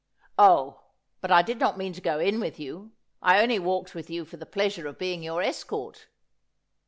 ' Oh, but I did not mean to go in with you. I only walked with you for the pleasure of being your escort.'